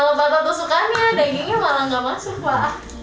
malah bakal tusukannya dagingnya malah gak masuk pak